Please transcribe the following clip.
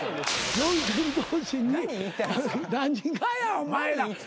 四千頭身に何がやお前ら。